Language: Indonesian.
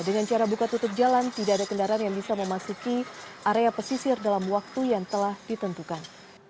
dengan cara buka tutup jalan tidak ada kendaraan yang bisa memasuki area pesisir dalam waktu yang telah ditentukan